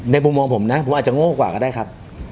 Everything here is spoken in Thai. ในวงวงผมนะก็อาจจะโง่กว่าก็ได้ครับ